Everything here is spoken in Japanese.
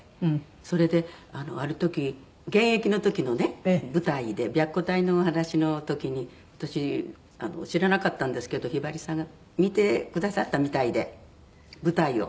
それである時現役の時のね舞台で白虎隊のお話の時に私知らなかったんですけどひばりさんが見てくださったみたいで舞台を。